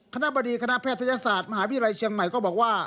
คณะบดีคณะแพทยศาสตร์มหาวิทยาลัยเชียงใหม่ก็บอกว่า